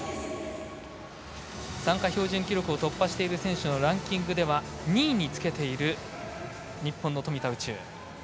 参加標準記録を突破している選手のランキングでは２位につけている日本の富田宇宙。